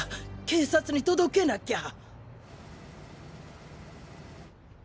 警察に届けなきゃ。